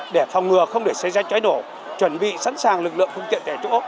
để phòng ngừa không để xây ra cháy nổ chuẩn bị sẵn sàng lực lượng phương tiện để chỗ